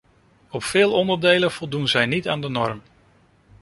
Op veel onderdelen voldeden zij niet aan de norm.